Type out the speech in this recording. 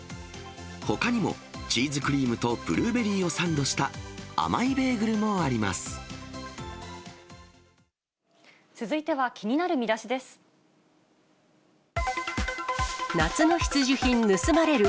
ほかにも、チーズクリームとブルーベリーをサンドした、甘いベーグルもあり続いては、夏の必需品盗まれる。